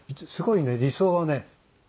すごいね理想はね